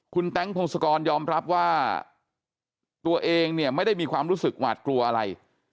คุณแต๊งพงศกรยอมรับว่าตัวเองเนี่ยไม่ได้มีความรู้สึกหวาดกลัวอะไร